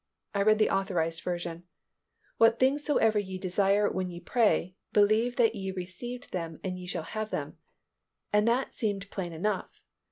I read the Authorized Version, "What things soever ye desire when ye pray, believe that ye receive them and ye shall have them," and that seemed plain enough.